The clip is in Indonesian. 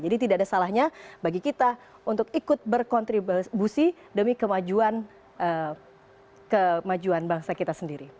jadi tidak ada salahnya bagi kita untuk ikut berkontribusi demi kemajuan bangsa kita sendiri